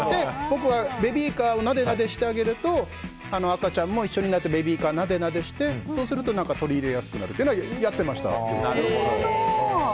僕がベビーカーをなでなでしてあげると赤ちゃんも一緒になってベビーカーをなでなでしてそうすると、取り入れやすくなるっていうのはやってました。